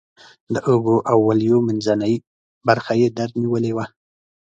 د اوږو او ولیو منځنۍ برخه یې درد نیولې وه.